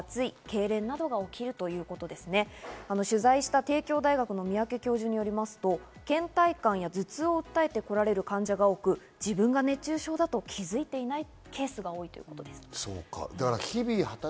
取材した帝京大学の三宅教授によりますと倦怠感や頭痛を訴えてこられる患者が多く、自分が熱中症だと気づいていないケースが多いということです。